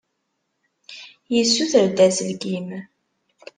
Yessuter-d aselkim.